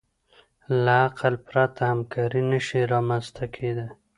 له عقل پرته همکاري نهشي رامنځ ته کېدی.